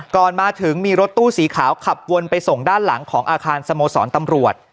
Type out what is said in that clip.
ก่อนมาถึงมีรถตู้สีขาวขับวนไปส่งด้านหลังของอาคารสโมสรตำรวจ